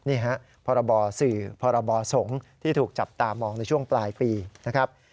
นี่ฮะพรบสื่อพรบสงฆ์ที่ถูกจับตามองในช่วงปลายปีนะครับ